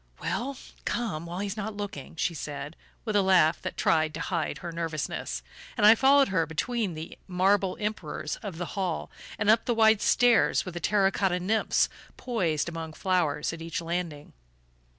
"Well, come while he's not looking," she said, with a laugh that tried to hide her nervousness; and I followed her between the marble Emperors of the hall, and up the wide stairs with terra cotta nymphs poised among flowers at each landing.